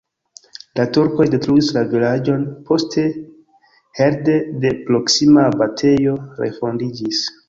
La turkoj detruis la vilaĝon, poste helpe de proksima abatejo refondiĝis.